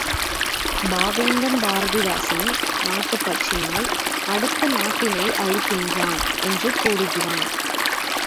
பாவேந்தன் பாரதிதாசன் நாட்டுப்பற்றினால் அடுத்த நாட்டினை அழிக்கின்றான் என்று கூறுகிறான்.